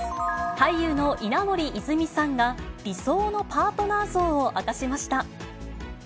俳優の稲森いずみさんが、理想のパートナー像を明かしました。